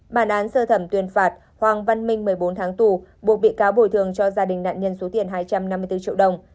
bản án sơ thẩm tuyên phạt hoàng văn minh một mươi bốn tháng tù buộc bị cáo bồi thường cho gia đình nạn nhân số tiền hai trăm năm mươi bốn triệu đồng